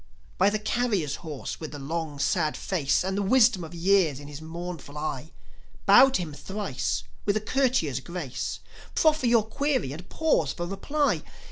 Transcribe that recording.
By the carrier's horse with the long, sad face And the wisdom of years in his mournful eye; Bow to him thrice with a courtier's grace, Proffer your query, and pause for reply.